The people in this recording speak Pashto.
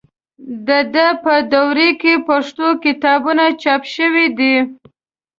د ده په دوره کې پښتو کتابونه چاپ شوي دي.